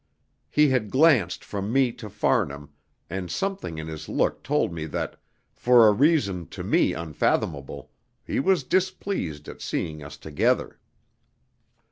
He had glanced from me to Farnham, and something in his look told me that, for a reason to me unfathomable, he was displeased at seeing us together.